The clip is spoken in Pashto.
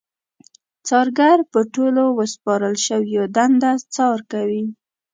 څارګر په ټولو ورسپارل شويو دنده څار کوي.